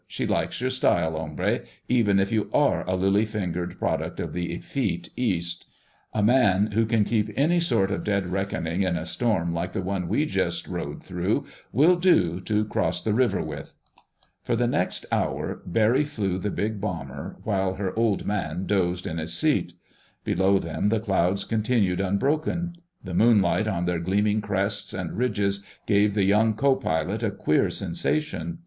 She likes your style, hombre, even if you are a lily fingered product of the effete East. A man who can keep any sort of dead reckoning in a storm like the one we just rode through will do to cross the river with." For the next hour Barry flew the big bomber, while her "Old Man" dozed in his seat. Below them the clouds continued unbroken. The moonlight on their gleaming crests and ridges gave the young co pilot a queer sensation.